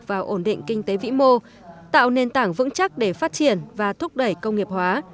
và ổn định kinh tế vĩ mô tạo nền tảng vững chắc để phát triển và thúc đẩy công nghiệp hóa